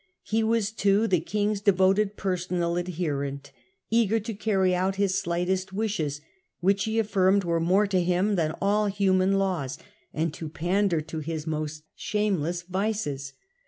He was, too, the Lauderdale. K j n g> s devoted personal adherent, eager to carry out his slightest wishes, which he affirmed were more to him than all human laws, and the pander to his most shameless vices.